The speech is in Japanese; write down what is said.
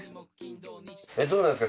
どうなんですか？